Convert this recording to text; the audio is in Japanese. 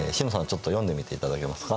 ちょっと読んでみていただけますか。